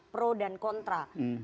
pro dan kontra